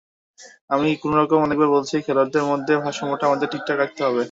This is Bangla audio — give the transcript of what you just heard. আমি আগেও অনেকবার বলেছি, খেলোয়াড়দের মধ্যে ভারসাম্যটা আমাদের ঠিকঠাক রাখতে হবে।